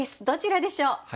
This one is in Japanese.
どちらでしょう？